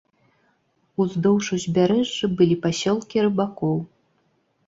Уздоўж узбярэжжа былі пасёлкі рыбакоў.